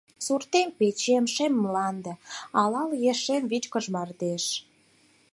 Суртем-печем — шем мланде, Алал ешем — вичкыж мардеж.